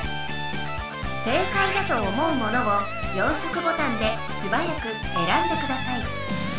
正解だと思うものを４色ボタンですばやくえらんでください。